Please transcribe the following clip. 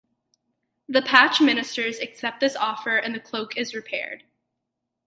The Patch ministers accept this offer and the cloak is repaired.